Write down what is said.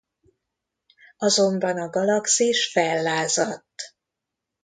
Azonban a galaxis fellázadt.